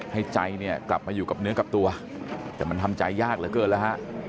ให้ใจเนี่ยกลับมาอยู่กับเนื้อกับตัวแต่มันทำใจยากเหลือเกินแล้วฮะ